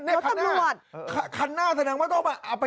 ในคันหน้าสนับประตู